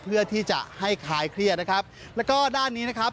เพื่อที่จะให้คลายเครียดนะครับแล้วก็ด้านนี้นะครับ